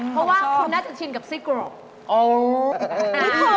เพราะว่าคุณน่าจะชินกับไส้กรอก